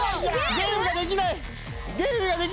ゲームができない。